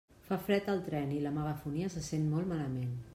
Fa fred al tren i la megafonia se sent molt malament.